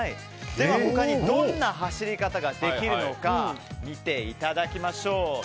他にどんな走り方ができるのか見ていただきましょう。